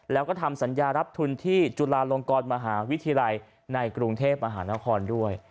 แล้วก็ใส่สัญญารับทุนที่จุฬาโรงกรมหาวิทิรัยในกรุงเทพทร์อหารอครด้วย